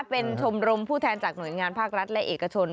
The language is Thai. เป็นชมรมผู้แทนจากหน่วยงานภาครัฐและเอกชน